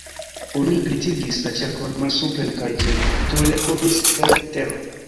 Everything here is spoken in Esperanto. Oni glitigis la ĉerkon malsupren kaj ĝin tuj rekovris per tero.